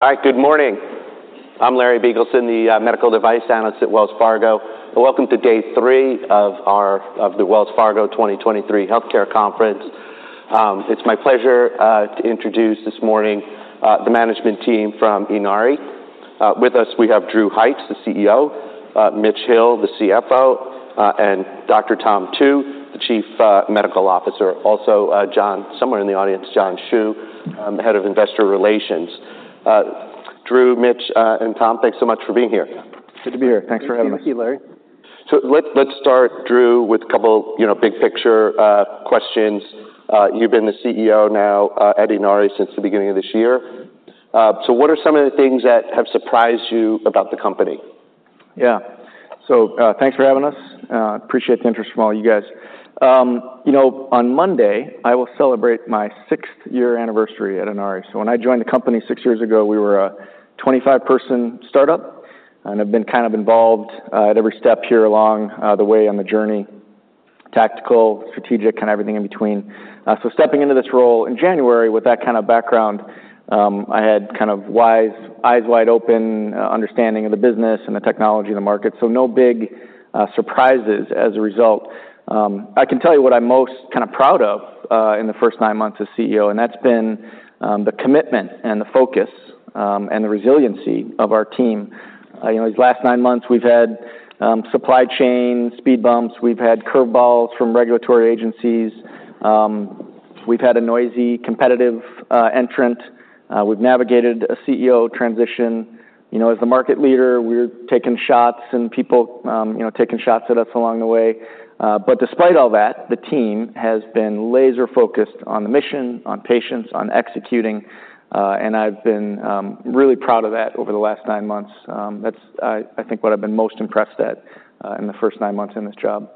Hi, good morning. I'm Larry Biegelsen, the medical device analyst at Wells Fargo. Welcome to day three of the Wells Fargo 2023 Healthcare Conference. It's my pleasure to introduce this morning the management team from Inari. With us, we have Drew Hykes, the CEO, Mitch Hill, the CFO, and Dr. Tom Tu, the Chief Medical Officer. Also, John, somewhere in the audience, John Hsu, the Head of Investor Relations. Drew, Mitch, and Tom, thanks so much for being here. Good to be here. Thanks for having us. Thank you, Larry. So let's start, Drew, with a couple, you know, big picture questions. You've been the CEO now at Inari since the beginning of this year. So what are some of the things that have surprised you about the company? Yeah. So, thanks for having us. Appreciate the interest from all you guys. You know, on Monday, I will celebrate my sixth-year anniversary at Inari. So when I joined the company 6 years ago, we were a 25-person startup, and I've been kind of involved at every step here along the way on the journey, tactical, strategic, and everything in between. So stepping into this role in January with that kind of background, I had kind of eyes wide open understanding of the business and the technology in the market, so no big surprises as a result. I can tell you what I'm most kind of proud of in the first nine months as CEO, and that's been the commitment and the focus and the resiliency of our team. You know, these last nine months, we've had supply chain speed bumps, we've had curveballs from regulatory agencies, we've had a noisy, competitive entrant, we've navigated a CEO transition. You know, as the market leader, we're taking shots and people, you know, taking shots at us along the way. But despite all that, the team has been laser-focused on the mission, on patients, on executing, and I've been really proud of that over the last nine months. That's, I, I think, what I've been most impressed at in the first nine9 months in this job.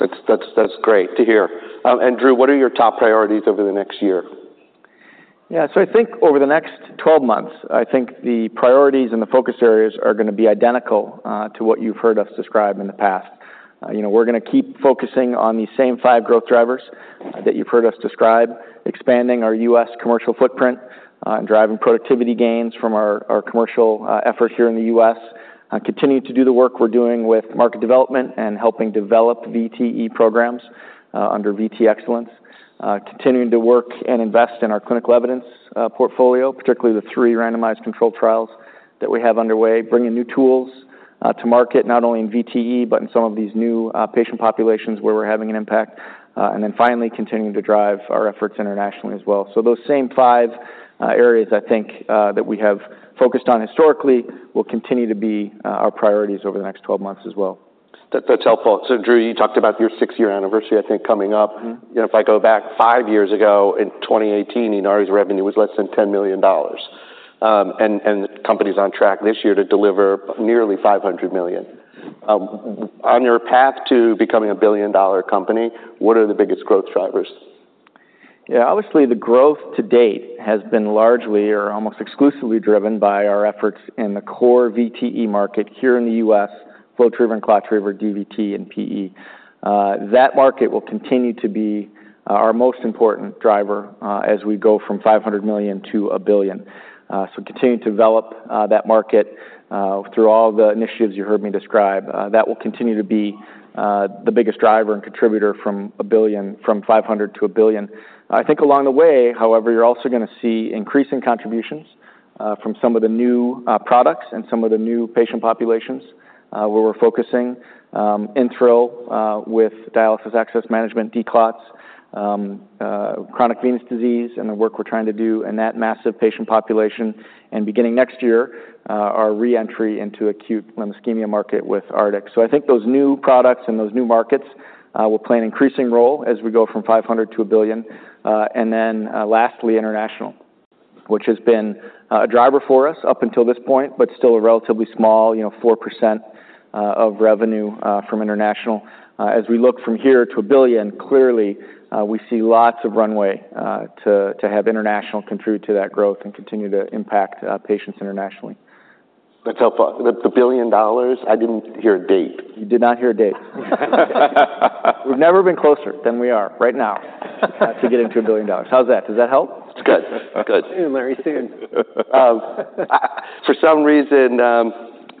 That's great to hear. Drew, what are your top priorities over the next year? Yeah, so I think over the next 12 months, I think the priorities and the focus areas are gonna be identical, to what you've heard us describe in the past. You know, we're gonna keep focusing on the same five growth drivers that you've heard us describe: expanding our U.S. commercial footprint, driving productivity gains from our commercial effort here in the U.S., continue to do the work we're doing with market development and helping develop VTE programs, under VTE Excellence, continuing to work and invest in our clinical evidence portfolio, particularly the three randomized controlled trials that we have underway, bringing new tools to market, not only in VTE, but in some of these new patient populations where we're having an impact, and then finally, continuing to drive our efforts internationally as well. So those same five areas I think that we have focused on historically will continue to be our priorities over the next 12 months as well. That's helpful. So, Drew, you talked about your six-year anniversary, I think, coming up. Mm-hmm. You know, if I go back five years ago, in 2018, Inari's revenue was less than $10 million. The company's on track this year to deliver nearly $500 million. On your path to becoming a billion-dollar company, what are the biggest growth drivers? Yeah, obviously, the growth to date has been largely or almost exclusively driven by our efforts in the core VTE market here in the U.S., FlowTriever and ClotTriever, DVT, and PE. That market will continue to be our most important driver as we go from $500 million-$1 billion. So continue to develop that market through all the initiatives you heard me describe. That will continue to be the biggest driver and contributor from $500 million-$1 billion. I think along the way, however, you're also gonna see increasing contributions from some of the new products and some of the new patient populations where we're focusing InThrill with dialysis access management, declots, chronic venous disease and the work we're trying to do in that massive patient population. Beginning next year, our re-entry into acute limb ischemia market with Artix. So I think those new products and those new markets will play an increasing role as we go from $500 million to $1 billion. And then, lastly, international, which has been a driver for us up until this point, but still a relatively small, you know, 4% of revenue from international. As we look from here to $1 billion, clearly we see lots of runway to have international contribute to that growth and continue to impact patients internationally. That's helpful. The $1 billion, I didn't hear a date. You did not hear a date. We've never been closer than we are right now to getting to $1 billion. How's that? Does that help? It's good. Good. Soon, Larry, soon. For some reason,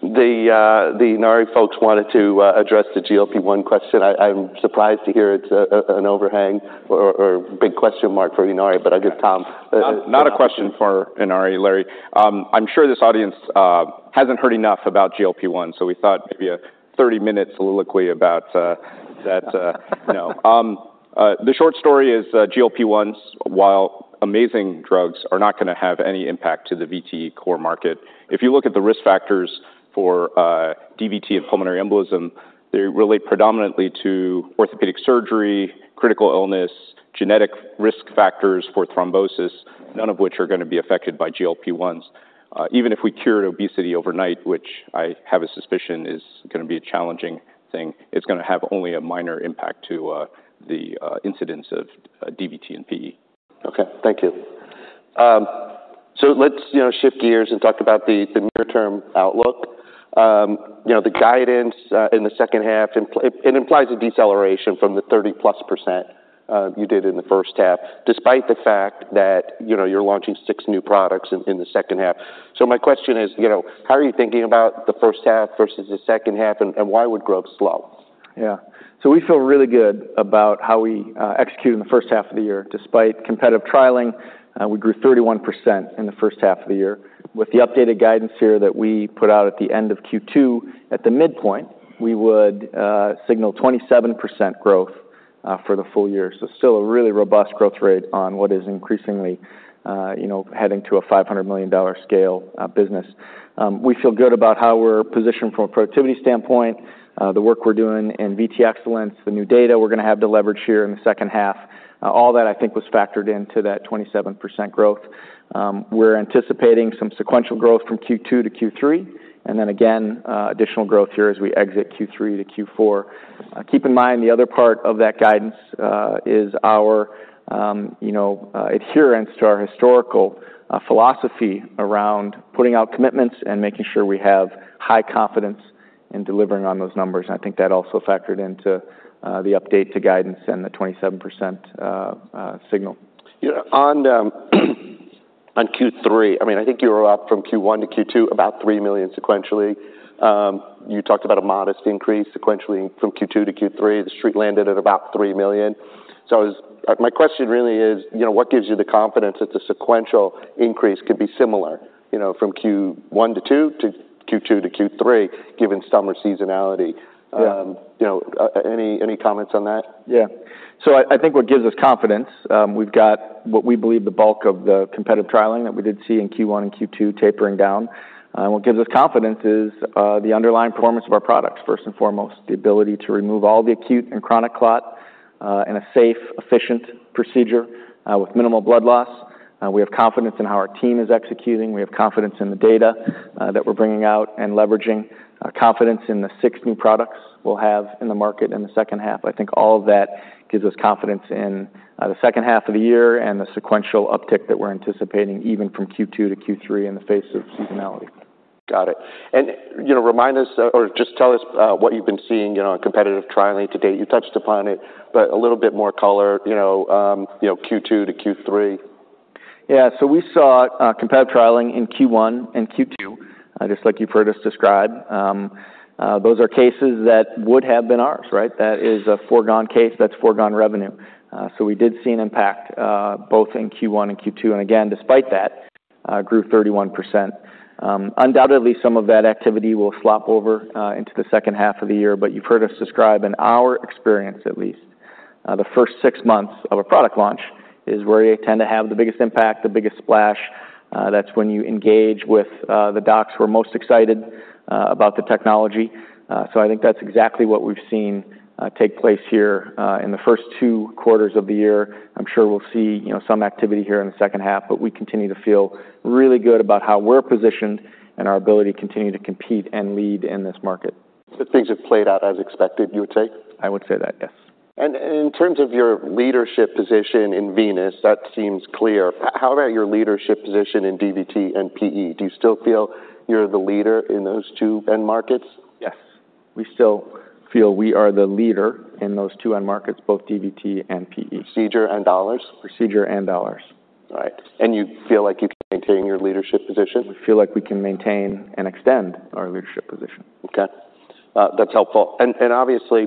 the Inari folks wanted to address the GLP-1 question. I'm surprised to hear it's an overhang or a big question mark for Inari, but I give Tom Not a question for Inari, Larry. I'm sure this audience hasn't heard enough about GLP-1, so we thought maybe a 30-minute soliloquy about that. You know. The short story is, GLP-1s, while amazing drugs, are not gonna have any impact to the VTE core market. If you look at the risk factors for DVT and pulmonary embolism, they relate predominantly to orthopedic surgery, critical illness, genetic risk factors for thrombosis, none of which are gonna be affected by GLP-1s. Even if we cured obesity overnight, which I have a suspicion is gonna be a challenging thing, it's gonna have only a minor impact to the incidence of DVT and PE. Okay, thank you. So let's, you know, shift gears and talk about the near-term outlook. You know, the guidance in the second half, it implies a deceleration from the 30%+ you did in the first half, despite the fact that, you know, you're launching six new products in the second half. So my question is, you know, how are you thinking about the first half versus the second half, and why would growth slow? Yeah. So we feel really good about how we executed in the first half of the year. Despite competitive trialing, we grew 31% in the first half of the year. With the updated guidance here that we put out at the end of Q2, at the midpoint, we would signal 27% growth for the full year. So still a really robust growth rate on what is increasingly, you know, heading to a $500 million scale business. We feel good about how we're positioned from a productivity standpoint, the work we're doing in VTE Excellence, the new data we're gonna have to leverage here in the second half. All that, I think, was factored into that 27% growth. We're anticipating some sequential growth from Q2-Q3, and then again, additional growth here as we exit Q3-Q4. Keep in mind, the other part of that guidance is our, you know, adherence to our historical philosophy around putting out commitments and making sure we have high confidence in delivering on those numbers. I think that also factored into the update to guidance and the 27% signal. Yeah, on Q3, I mean, I think you were up from Q1-Q2, about $3 million sequentially. You talked about a modest increase sequentially from Q2-Q3. The Street landed at about $3 million. So, my question really is, you know, what gives you the confidence that the sequential increase could be similar, you know, from Q1-Q2, to Q2-Q3, given summer seasonality? Yeah. You know, any comments on that? Yeah. So I think what gives us confidence, we've got what we believe the bulk of the competitive trialing that we did see in Q1 and Q2 tapering down. What gives us confidence is, the underlying performance of our products, first and foremost, the ability to remove all the acute and chronic clot, in a safe, efficient procedure, with minimal blood loss. We have confidence in how our team is executing. We have confidence in the data that we're bringing out and leveraging, confidence in the six new products we'll have in the market in the second half. I think all of that gives us confidence in, the second half of the year and the sequential uptick that we're anticipating, even from Q2-Q3, in the face of seasonality. Got it. And, you know, remind us or just tell us what you've been seeing, you know, in competitive trialing to date. You touched upon it, but a little bit more color, you know, Q2-Q3. Yeah. So we saw competitive trialing in Q1 and Q2, just like you've heard us describe. Those are cases that would have been ours, right? That is a foregone case. That's foregone revenue. So we did see an impact both in Q1 and Q2, and again, despite that, grew 31%. Undoubtedly, some of that activity will slop over into the second half of the year, but you've heard us describe, in our experience at least, the first six months of a product launch is where you tend to have the biggest impact, the biggest splash. That's when you engage with the docs who are most excited about the technology. So I think that's exactly what we've seen take place here in the first two quarters of the year. I'm sure we'll see, you know, some activity here in the second half, but we continue to feel really good about how we're positioned and our ability to continue to compete and lead in this market. Things have played out as expected, you would say? I would say that, yes. In terms of your leadership position in venous, that seems clear. How about your leadership position in DVT and PE? Do you still feel you're the leader in those two end markets? Yes. We still feel we are the leader in those two end markets, both DVT and PE. Procedure and dollars? Procedure and dollars. All right. And you feel like you can maintain your leadership position? We feel like we can maintain and extend our leadership position. Okay. That's helpful. And obviously,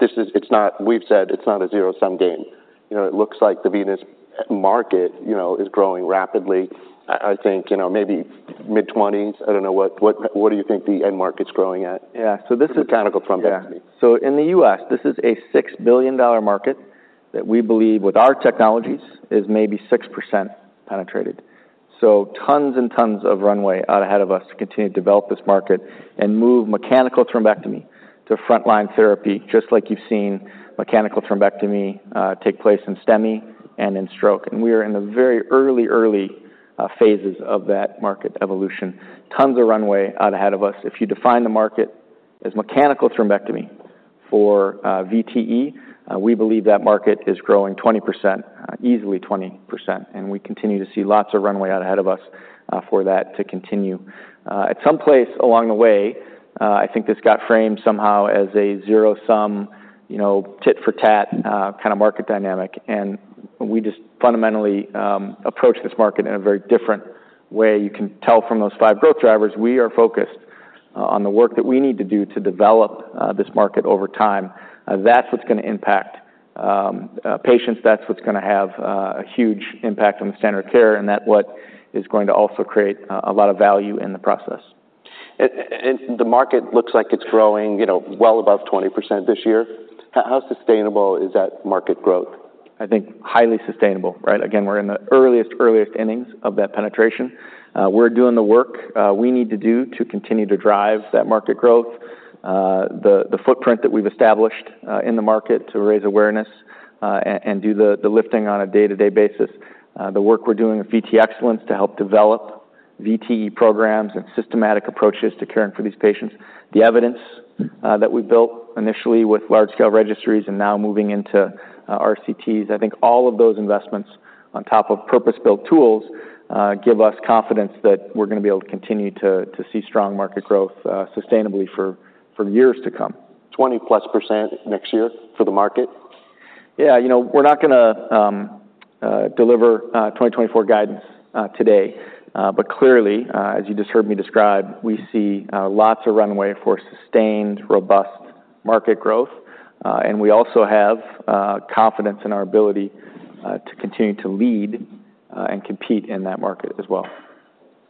this is—it's not—we've said it's not a zero-sum game. You know, it looks like the venous market, you know, is growing rapidly. I think, you know, maybe mid-twenties. I don't know. What do you think the venous market's growing at? Yeah, so this is- Mechanical thrombectomy. Yeah. So in the U.S., this is a $6 billion market that we believe, with our technologies, is maybe 6% penetrated. So tons and tons of runway out ahead of us to continue to develop this market and move mechanical thrombectomy to frontline therapy, just like you've seen mechanical thrombectomy take place in STEMI and in stroke. And we are in the very early, early phases of that market evolution. Tons of runway out ahead of us. If you define the market as mechanical thrombectomy for VTE, we believe that market is growing 20%, easily 20%, and we continue to see lots of runway out ahead of us for that to continue. At some place along the way, I think this got framed somehow as a zero-sum, you know, tit-for-tat kind of market dynamic, and we just fundamentally approach this market in a very different way. You can tell from those five growth drivers, we are focused on the work that we need to do to develop this market over time. That's what's gonna impact patients. That's what's gonna have a huge impact on the standard of care, and that what is going to also create a lot of value in the process. The market looks like it's growing, you know, well above 20% this year. How sustainable is that market growth? I think highly sustainable, right? Again, we're in the earliest, earliest innings of that penetration. We're doing the work we need to do to continue to drive that market growth. The footprint that we've established in the market to raise awareness, and do the lifting on a day-to-day basis. The work we're doing with VTE Excellence to help develop VTE programs and systematic approaches to caring for these patients. The evidence that we built initially with large-scale registries and now moving into RCTs, I think all of those investments on top of purpose-built tools give us confidence that we're going to be able to continue to see strong market growth, sustainably for years to come. 20+% next year for the market? Yeah, you know, we're not going to deliver 2024 guidance today. But clearly, as you just heard me describe, we see lots of runway for sustained, robust market growth. And we also have confidence in our ability to continue to lead and compete in that market as well.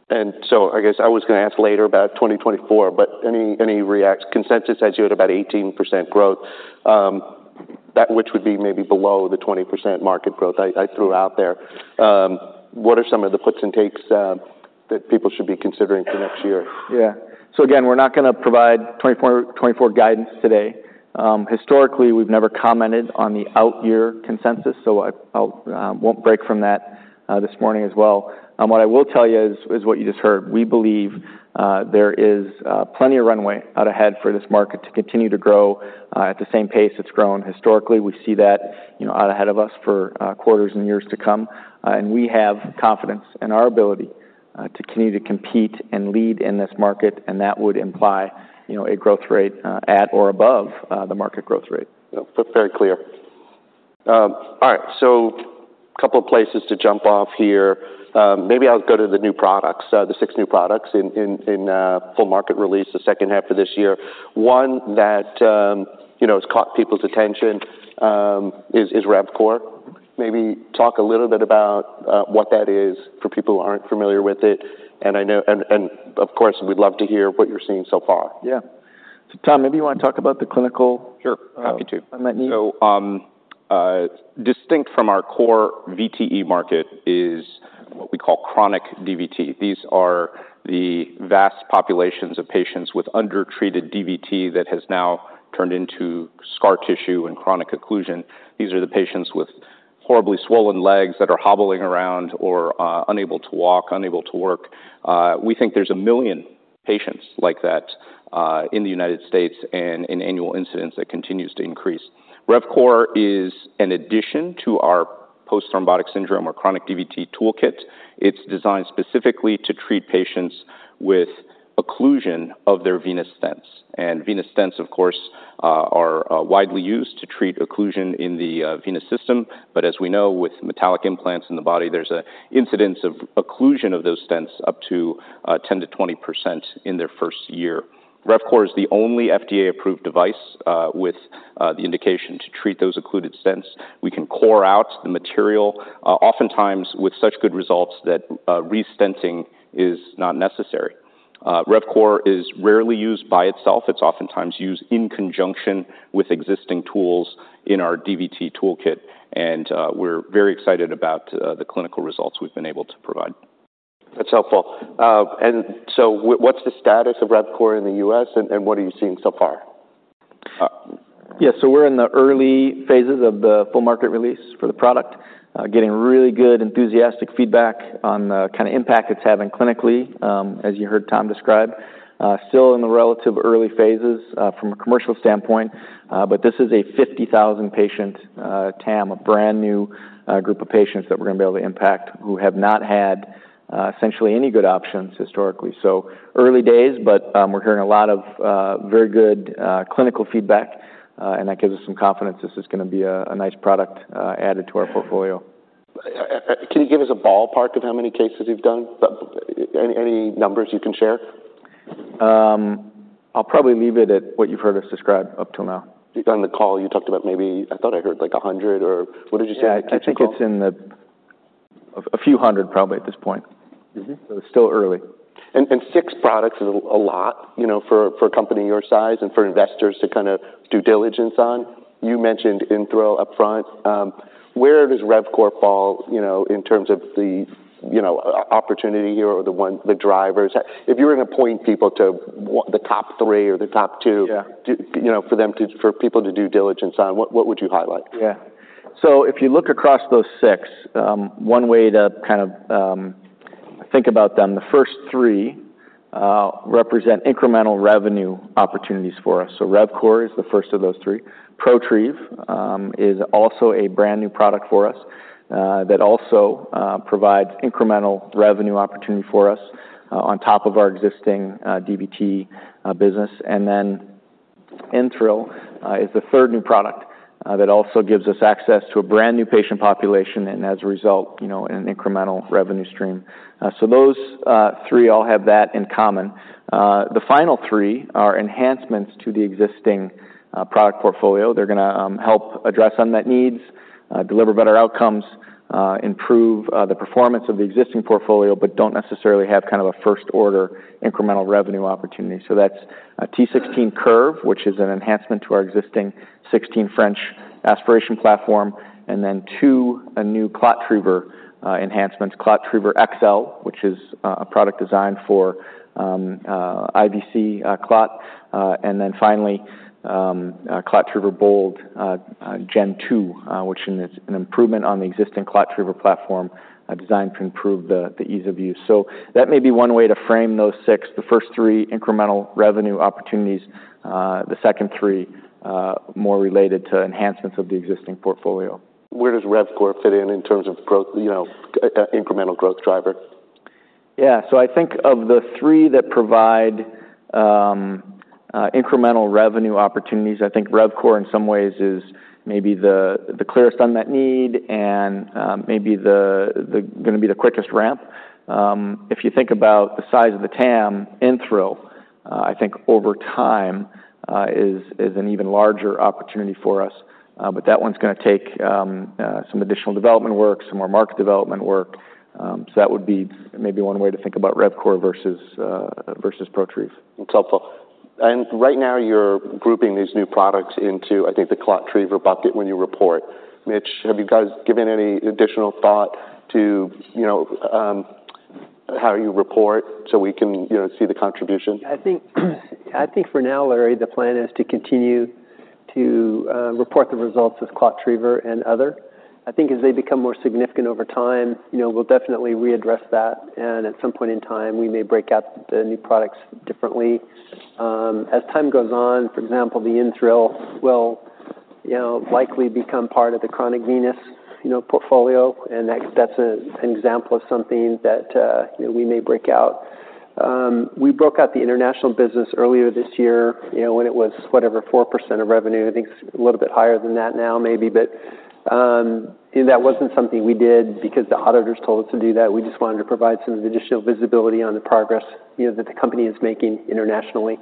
I guess I was going to ask later about 2024, but any recent consensus has you at about 18% growth, that which would be maybe below the 20% market growth I threw out there. What are some of the puts and takes that people should be considering for next year? Yeah. So again, we're not going to provide 2024 guidance today. Historically, we've never commented on the out year consensus, so I won't break from that this morning as well. What I will tell you is what you just heard. We believe there is plenty of runway out ahead for this market to continue to grow at the same pace it's grown historically. We see that, you know, out ahead of us for quarters and years to come. And we have confidence in our ability to continue to compete and lead in this market, and that would imply, you know, a growth rate at or above the market growth rate. That's very clear. All right, so a couple of places to jump off here. Maybe I'll go to the new products, the six new products in full market release, the second half of this year. One that, you know, has caught people's attention, is RevCore. Maybe talk a little bit about what that is for people who aren't familiar with it. And I know, and of course, we'd love to hear what you're seeing so far. Yeah. So Tom, maybe you want to talk about the clinical- Sure. Happy to. On that need. So, distinct from our core VTE market is what we call chronic DVT. These are the vast populations of patients with undertreated DVT that has now turned into scar tissue and chronic occlusion. These are the patients with horribly swollen legs that are hobbling around or unable to walk, unable to work. We think there's 1 million patients like that in the United States, and an annual incidence that continues to increase. RevCore is an addition to our post-thrombotic syndrome or chronic DVT toolkit. It's designed specifically to treat patients with occlusion of their venous stents. And venous stents, of course, are widely used to treat occlusion in the venous system. But as we know, with metallic implants in the body, there's an incidence of occlusion of those stents up to 10%-20% in their first year. RevCore is the only FDA-approved device with the indication to treat those occluded stents. We can core out the material, oftentimes with such good results that re-stenting is not necessary. RevCore is rarely used by itself. It's oftentimes used in conjunction with existing tools in our DVT toolkit, and we're very excited about the clinical results we've been able to provide. That's helpful. And so what's the status of RevCore in the U.S., and what are you seeing so far? Yes, so we're in the early phases of the full market release for the product, getting really good, enthusiastic feedback on the kind of impact it's having clinically, as you heard Tom describe. Still in the relative early phases, from a commercial standpoint, but this is a 50,000-patient TAM, a brand-new group of patients that we're going to be able to impact, who have not had essentially any good options historically. So early days, but we're hearing a lot of very good clinical feedback, and that gives us some confidence this is going to be a nice product added to our portfolio. Can you give us a ballpark of how many cases you've done? Any numbers you can share? I'll probably leave it at what you've heard us describe up till now. On the call, you talked about maybe... I thought I heard, like, 100, or what did you say? Yeah, I think it's in the a few hundred, probably, at this point. Mm-hmm. It's still early. Six products is a lot, you know, for a company your size and for investors to kind of due diligence on. You mentioned InThrill upfront. Where does RevCore fall, you know, in terms of the opportunity here or the drivers? If you were going to point people to the top three or the top two- Yeah... do, you know, for them to—for people to do due diligence on, what, what would you highlight? Yeah. So if you look across those six, one way to kind of think about them, the first three represent incremental revenue opportunities for us. So RevCore is the first of those three. Protrieve is also a brand-new product for us, that also provides incremental revenue opportunity for us, on top of our existing DVT business. And then InThrill is the third new product, that also gives us access to a brand-new patient population, and as a result, you know, an incremental revenue stream. So those three all have that in common. The final three are enhancements to the existing product portfolio. They're going to help address unmet needs, deliver better outcomes, improve the performance of the existing portfolio, but don't necessarily have kind of a first-order incremental revenue opportunity. So that's T16 Curve, which is an enhancement to our existing 16 French aspiration platform, and then two, a new ClotTriever enhancements, ClotTriever XL, which is a product designed for IVC clot. And then finally, ClotTriever BOLD Gen 2, which is an improvement on the existing ClotTriever platform designed to improve the ease of use. So that may be one way to frame those 6. The first three, incremental revenue opportunities, the second three, more related to enhancements of the existing portfolio. Where does RevCore fit in terms of growth, you know, incremental growth driver?... Yeah, so I think of the three that provide incremental revenue opportunities, I think RevCore in some ways is maybe the clearest unmet need and maybe the gonna be the quickest ramp. If you think about the size of the TAM, InThrill I think over time is an even larger opportunity for us. But that one's gonna take some additional development work, some more market development work. So that would be maybe one way to think about RevCore versus Protrieve. That's helpful. Right now, you're grouping these new products into, I think, the ClotTriever bucket when you report. Mitch, have you guys given any additional thought to, you know, how you report so we can, you know, see the contribution? I think, I think for now, Larry, the plan is to continue to report the results as ClotTriever and other. I think as they become more significant over time, you know, we'll definitely readdress that, and at some point in time, we may break out the new products differently. As time goes on, for example, the InThrill will, you know, likely become part of the chronic venous, you know, portfolio, and that, that's an example of something that, you know, we may break out. We broke out the international business earlier this year, you know, when it was whatever, 4% of revenue. I think it's a little bit higher than that now, maybe. But, and that wasn't something we did because the auditors told us to do that. We just wanted to provide some additional visibility on the progress, you know, that the company is making internationally.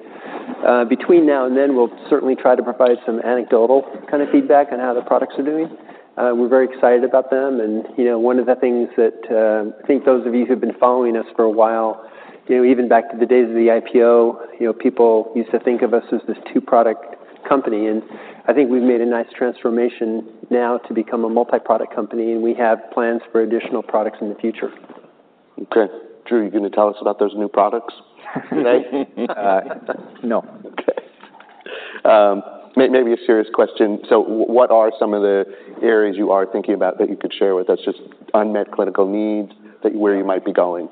Between now and then, we'll certainly try to provide some anecdotal kind of feedback on how the products are doing. We're very excited about them, and, you know, one of the things that, I think those of you who've been following us for a while, you know, even back to the days of the IPO, you know, people used to think of us as this two-product company, and I think we've made a nice transformation now to become a multi-product company, and we have plans for additional products in the future. Okay. Drew, are you gonna tell us about those new products today? Uh, no. Okay. Maybe a serious question. So what are some of the areas you are thinking about that you could share with us, just unmet clinical needs, that where you might be going?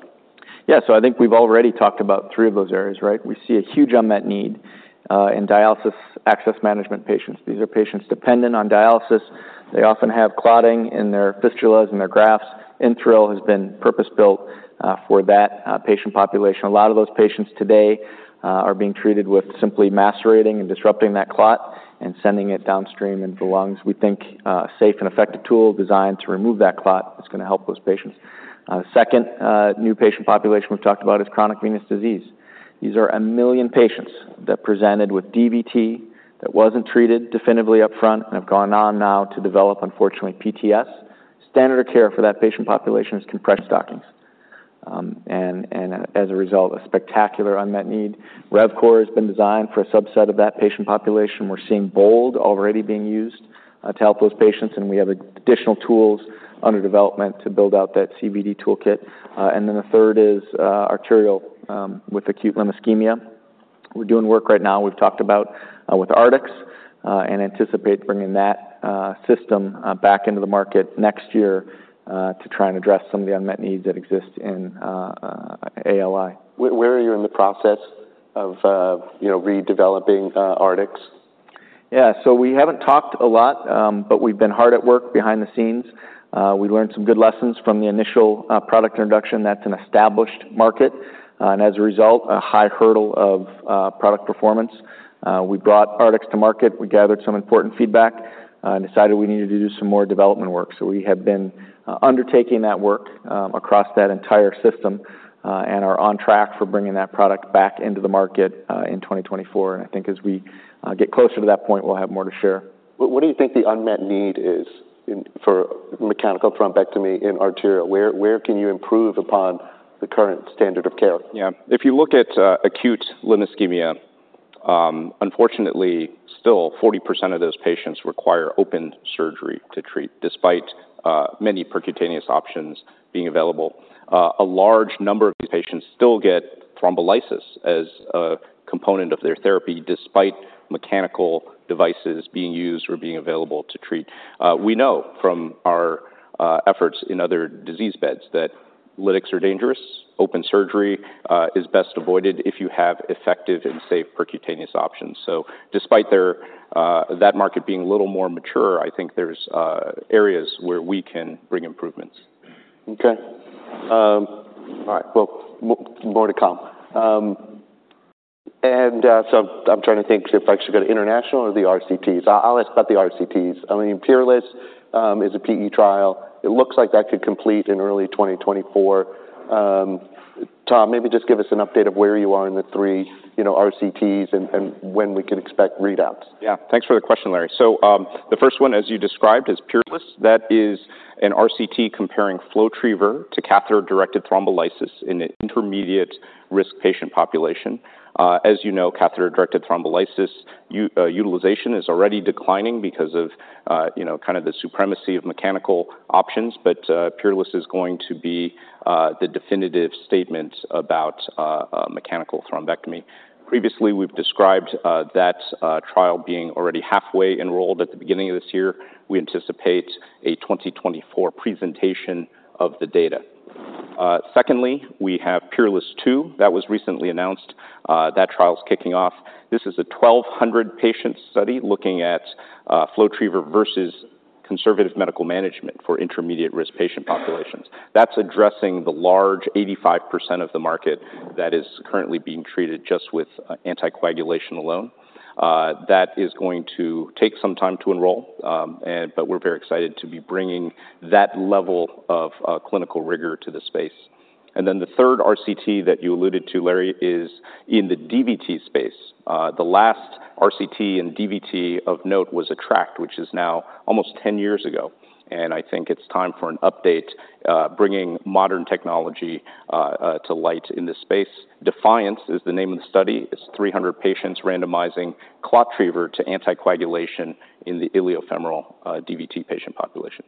Yeah, so I think we've already talked about three of those areas, right? We see a huge unmet need in dialysis access management patients. These are patients dependent on dialysis. They often have clotting in their fistulas and their grafts. InThrill has been purpose-built for that patient population. A lot of those patients today are being treated with simply macerating and disrupting that clot and sending it downstream into the lungs. We think safe and effective tool designed to remove that clot is gonna help those patients. Second, new patient population we've talked about is chronic venous disease. These are a million patients that presented with DVT, that wasn't treated definitively upfront, and have gone on now to develop, unfortunately, PTS. Standard of care for that patient population is compressed stockings, and as a result, a spectacular unmet need. RevCore has been designed for a subset of that patient population. We're seeing BOLD already being used to help those patients, and we have additional tools under development to build out that CVD toolkit. And then the third is arterial with acute limb ischemia. We're doing work right now, we've talked about with Artix, and anticipate bringing that system back into the market next year to try and address some of the unmet needs that exist in ALI. Where are you in the process of, you know, redeveloping Artix? Yeah, so we haven't talked a lot, but we've been hard at work behind the scenes. We learned some good lessons from the initial product introduction. That's an established market, and as a result, a high hurdle of product performance. We brought Artix to market. We gathered some important feedback and decided we needed to do some more development work, so we have been undertaking that work across that entire system, and are on track for bringing that product back into the market in 2024. And I think as we get closer to that point, we'll have more to share. What do you think the unmet need is in, for mechanical thrombectomy in arterial? Where can you improve upon the current standard of care? Yeah. If you look at acute limb ischemia, unfortunately, still 40% of those patients require open surgery to treat, despite many percutaneous options being available. A large number of these patients still get thrombolysis as a component of their therapy, despite mechanical devices being used or being available to treat. We know from our efforts in other disease beds that lytics are dangerous. Open surgery is best avoided if you have effective and safe percutaneous options. So despite their that market being a little more mature, I think there's areas where we can bring improvements. Okay. All right. Well, more to come. And, so I'm trying to think if I should go to international or the RCTs. I'll ask about the RCTs. I mean, PEERLESS is a PE trial. It looks like that could complete in early 2024. Tom, maybe just give us an update of where you are in the three, you know, RCTs and when we can expect readouts. Yeah. Thanks for the question, Larry. So, the first one, as you described, is PEERLESS. That is an RCT comparing FlowTriever to catheter-directed thrombolysis in an intermediate-risk patient population. As you know, catheter-directed thrombolysis utilization is already declining because of, you know, kind of the supremacy of mechanical options. But, PEERLESS is going to be the definitive statement about mechanical thrombectomy. Previously, we've described that trial being already halfway enrolled at the beginning of this year. We anticipate a 2024 presentation of the data. Secondly, we have PEERLESS II. That was recently announced. That trial is kicking off. This is a 1,200-patient study looking at FlowTriever versus conservative medical management for intermediate-risk patient populations. That's addressing the large 85% of the market that is currently being treated just with anticoagulation alone. That is going to take some time to enroll, and but we're very excited to be bringing that level of clinical rigor to the space. And then the third RCT that you alluded to, Larry, is in the DVT space. The last RCT in DVT of note was ATTRACT, which is now almost 10 years ago, and I think it's time for an update, bringing modern technology to light in this space. DEFIANCE is the name of the study. It's 300 patients randomizing ClotTriever to anticoagulation in the iliofemoral DVT patient population.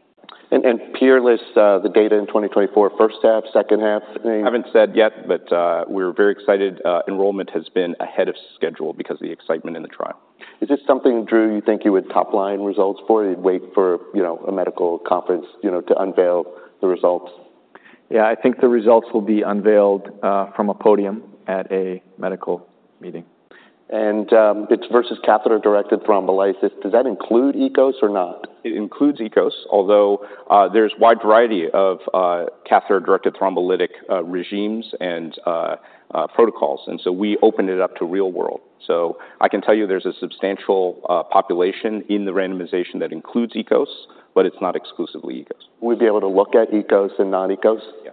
And PEERLESS, the data in 2024, first half, second half, maybe? Haven't said yet, but we're very excited. Enrollment has been ahead of schedule because of the excitement in the trial. Is this something, Drew, you think you would top-line results for? You'd wait for, you know, a medical conference, you know, to unveil the results? Yeah, I think the results will be unveiled from a podium at a medical meeting. It's versus catheter-directed thrombolysis. Does that include EKOS or not? It includes EKOS, although there's a wide variety of catheter-directed thrombolytic regimens and protocols, and so we opened it up to real-world. So I can tell you there's a substantial population in the randomization that includes EKOS, but it's not exclusively EKOS. We'd be able to look at EKOS and non-EKOS? Yes.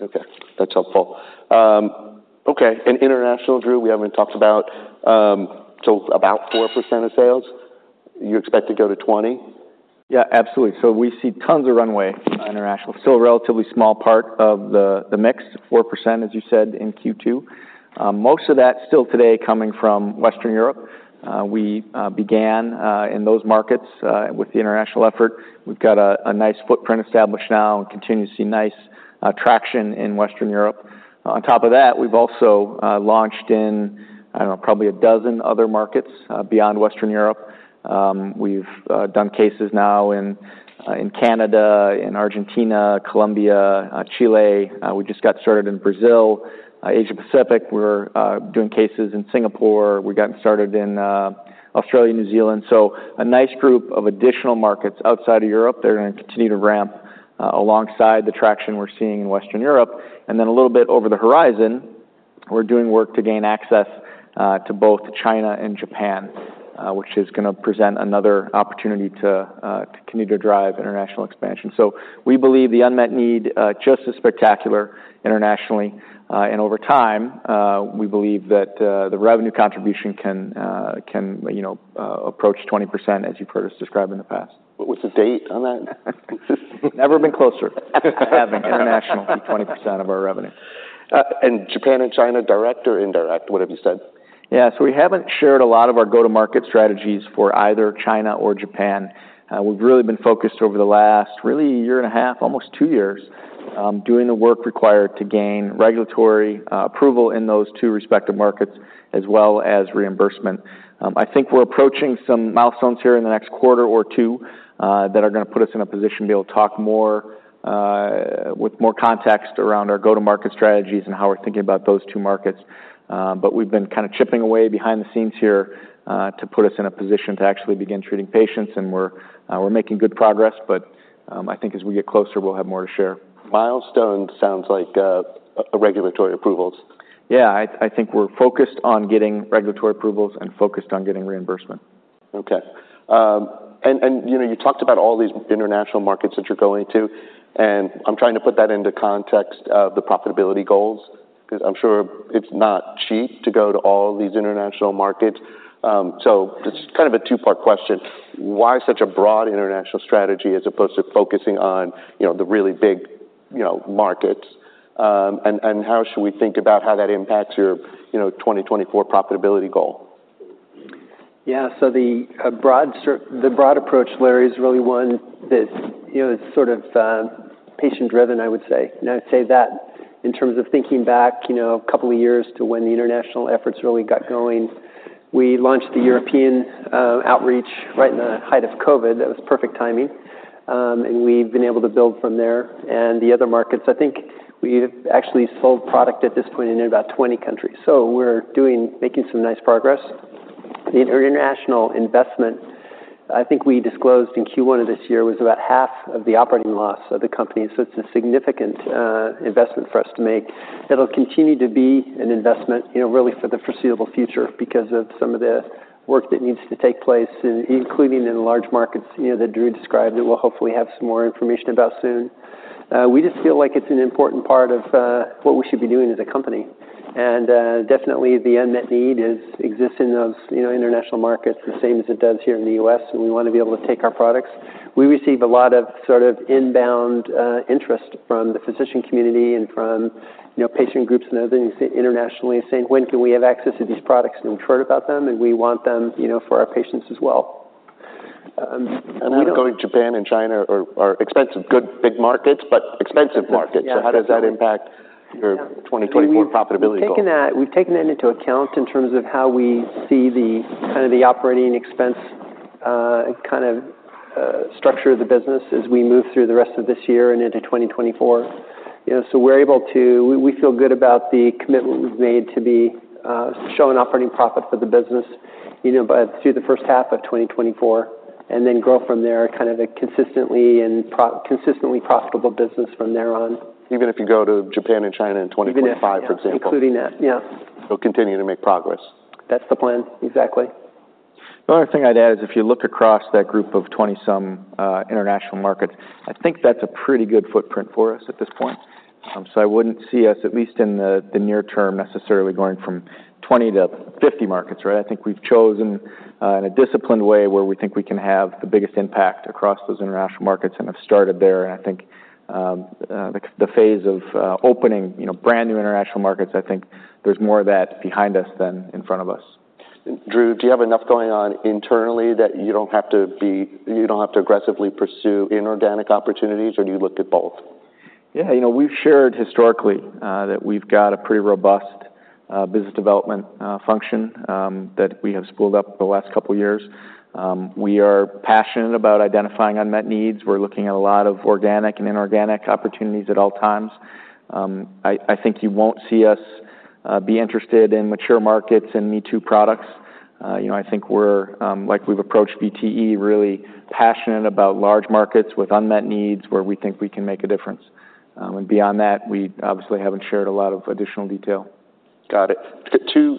Okay, that's helpful. Okay, and international, Drew, we haven't talked about, so about 4% of sales. You expect to go to 20%? Yeah, absolutely. So we see tons of runway on international. Still a relatively small part of the mix, 4%, as you said, in Q2. Most of that still today coming from Western Europe. We began in those markets with the international effort. We've got a nice footprint established now and continue to see nice traction in Western Europe. On top of that, we've also launched in, I don't know, probably a dozen other markets beyond Western Europe. We've done cases now in Canada, in Argentina, Colombia, Chile. We just got started in Brazil. Asia Pacific, we're doing cases in Singapore. We've gotten started in Australia and New Zealand. So a nice group of additional markets outside of Europe. They're going to continue to ramp, alongside the traction we're seeing in Western Europe. And then a little bit over the horizon, we're doing work to gain access, to both China and Japan, which is gonna present another opportunity to, to continue to drive international expansion. So we believe the unmet need, just as spectacular internationally. And over time, we believe that, the revenue contribution can, can, you know, approach 20%, as you've heard us describe in the past. What was the date on that? Never been closer. I have been international for 20% of our revenue. Japan and China, direct or indirect? What have you said? Yeah, so we haven't shared a lot of our go-to-market strategies for either China or Japan. We've really been focused over the last really year and a half, almost two years, doing the work required to gain regulatory approval in those two respective markets, as well as reimbursement. I think we're approaching some milestones here in the next quarter or two, that are gonna put us in a position to be able to talk more, with more context around our go-to-market strategies and how we're thinking about those two markets. But we've been kind of chipping away behind the scenes here, to put us in a position to actually begin treating patients, and we're, we're making good progress. But, I think as we get closer, we'll have more to share. Milestone sounds like a regulatory approvals. Yeah, I think we're focused on getting regulatory approvals and focused on getting reimbursement. Okay. And, you know, you talked about all these international markets that you're going to, and I'm trying to put that into context of the profitability goals, because I'm sure it's not cheap to go to all these international markets. So it's kind of a two-part question. Why such a broad international strategy as opposed to focusing on, you know, the really big, you know, markets? And how should we think about how that impacts your, you know, 2024 profitability goal? Yeah. So the broad approach, Larry, is really one that, you know, is sort of patient-driven, I would say. And I'd say that in terms of thinking back, you know, a couple of years to when the international efforts really got going. We launched the European outreach right in the height of COVID. That was perfect timing. And we've been able to build from there. And the other markets, I think we've actually sold product at this point in about 20 countries, so we're doing making some nice progress. The international investment, I think we disclosed in Q1 of this year, was about half of the operating loss of the company, so it's a significant investment for us to make. It'll continue to be an investment, you know, really, for the foreseeable future because of some of the work that needs to take place, including in large markets, you know, that Drew described, that we'll hopefully have some more information about soon. We just feel like it's an important part of what we should be doing as a company. And, definitely the unmet need is existing in those, you know, international markets, the same as it does here in the U.S., and we want to be able to take our products. We receive a lot of sort of inbound interest from the physician community and from, you know, patient groups and other things internationally, saying: "When can we have access to these products? We've heard about them, and we want them, you know, for our patients as well." We don't- And then going to Japan and China are expensive, good, big markets, but expensive markets. Yeah. How does that impact your 2024 profitability goal? We've taken that, we've taken that into account in terms of how we see the, kind of the operating expense, kind of, structure of the business as we move through the rest of this year and into 2024.... you know, so we're able to, we feel good about the commitment we've made to be showing operating profit for the business, you know, by through the first half of 2024, and then grow from there, kind of, a consistently and consistently profitable business from there on. Even if you go to Japan and China in 2025, for example? Including that, yeah. Continue to make progress. That's the plan. Exactly. The only thing I'd add is if you look across that group of 20-some international markets, I think that's a pretty good footprint for us at this point. So I wouldn't see us, at least in the near term, necessarily going from 20-50 markets, right? I think we've chosen in a disciplined way, where we think we can have the biggest impact across those international markets and have started there. And I think the phase of opening, you know, brand-new international markets, I think there's more of that behind us than in front of us. Drew, do you have enough going on internally that you don't have to aggressively pursue inorganic opportunities, or do you look at both? Yeah, you know, we've shared historically that we've got a pretty robust business development function that we have spooled up the last couple of years. We are passionate about identifying unmet needs. We're looking at a lot of organic and inorganic opportunities at all times. I think you won't see us be interested in mature markets and me-too products. You know, I think we're like we've approached VTE really passionate about large markets with unmet needs, where we think we can make a difference. And beyond that, we obviously haven't shared a lot of additional detail. Got it. Two,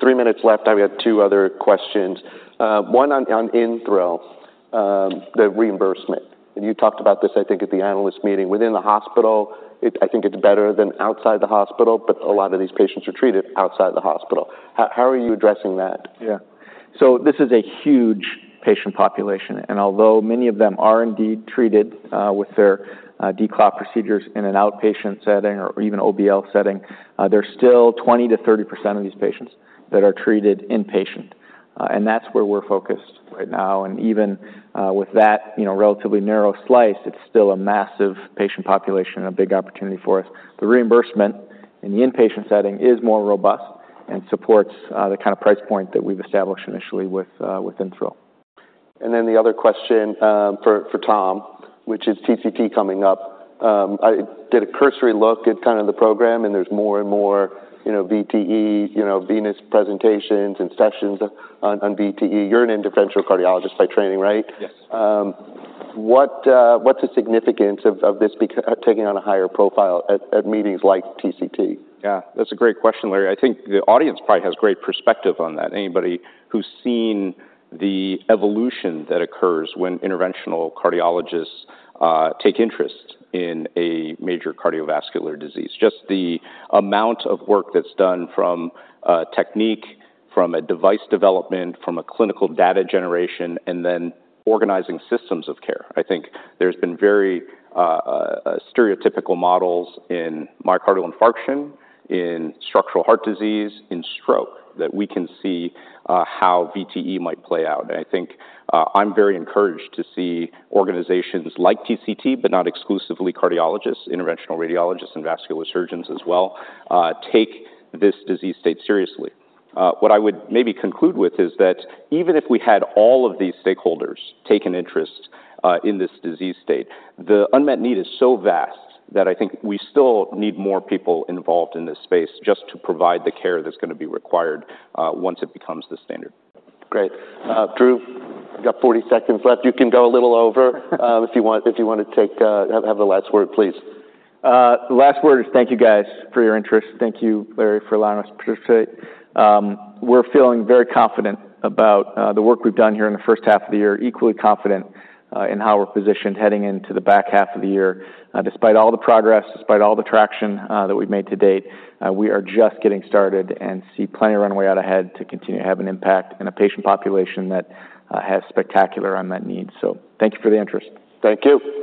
three minutes left. I have two other questions. One on, on InThrill, the reimbursement, and you talked about this, I think, at the analyst meeting. Within the hospital, I think it's better than outside the hospital, but a lot of these patients are treated outside the hospital. How are you addressing that? Yeah. So this is a huge patient population, and although many of them are indeed treated with their DVT procedures in an outpatient setting or even OBL setting, there's still 20%-30% of these patients that are treated inpatient, and that's where we're focused right now. And even with that, you know, relatively narrow slice, it's still a massive patient population and a big opportunity for us. The reimbursement in the inpatient setting is more robust and supports the kind of price point that we've established initially with InThrill. Then the other question for Tom, which is TCT coming up. I did a cursory look at kind of the program, and there's more and more, you know, VTE, you know, venous presentations and sessions on VTE. You're an interventional cardiologist by training, right? Yes. What, what's the significance of this taking on a higher profile at meetings like TCT? Yeah, that's a great question, Larry. I think the audience probably has great perspective on that. Anybody who's seen the evolution that occurs when interventional cardiologists take interest in a major cardiovascular disease, just the amount of work that's done from technique, from a device development, from a clinical data generation, and then organizing systems of care. I think there's been very stereotypical models in myocardial infarction, in structural heart disease, in stroke, that we can see how VTE might play out. And I think I'm very encouraged to see organizations like TCT, but not exclusively cardiologists, interventional radiologists, and vascular surgeons as well take this disease state seriously. What I would maybe conclude with is that even if we had all of these stakeholders take an interest in this disease state, the unmet need is so vast that I think we still need more people involved in this space just to provide the care that's gonna be required once it becomes the standard. Great. Drew, you got 40 seconds left. You can go a little over, if you want to have the last word, please. The last word is thank you, guys, for your interest. Thank you, Larry, for allowing us to participate. We're feeling very confident about the work we've done here in the first half of the year, equally confident in how we're positioned heading into the back half of the year. Despite all the progress, despite all the traction that we've made to date, we are just getting started and see plenty of runway out ahead to continue to have an impact in a patient population that has spectacular unmet needs. So thank you for the interest. Thank you.